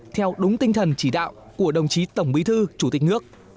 theo đúng tinh thần chỉ đạo của đồng chí tổng bí thư chủ tịch nước